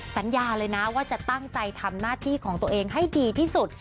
สัญญาเลยนะว่าจะตั้งใจทำหน้าที่ของตัวเองให้ดีที่สุด